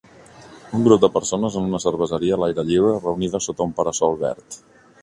Un grup de persones en una cerveseria a l'aire lliure reunides sota un para-sol verd.